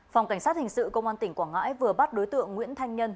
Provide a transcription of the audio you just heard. phòng cảnh sát hình sự công an tỉnh quảng ngãi vừa bắt đối tượng nguyễn thanh nhân